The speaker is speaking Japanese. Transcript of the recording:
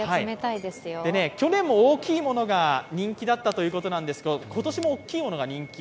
去年も大きいものが人気だったということですが、今年も大きいものが人気。